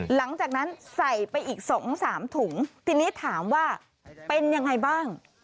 หลังจากนั้นใส่ไปอีก๒๓ถุงทีนี้ถามว่าเป็นยังไงบ้าง